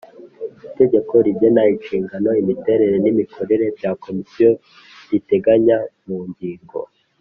Itegeko rigena Inshingano Imiterere n Imikorere bya Komisiyo riteganya mu ngingo